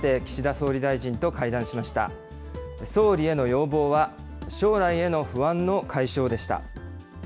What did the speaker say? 総理への要望は、将来への不安の解消でした。